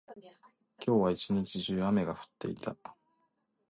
今日は一日中、雨が降っていた。